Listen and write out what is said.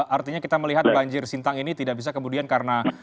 artinya kita melihat banjir sintang ini tidak bisa kemudian karena